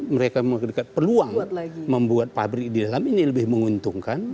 mereka memiliki peluang membuat pabrik di dalam ini lebih menguntungkan